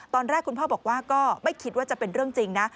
ตอนแรกคุณพ่อบอกว่าก็ไม่คิดว่าจะเป็นเรื่องจริงนะ